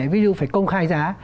ví dụ phải công khai giá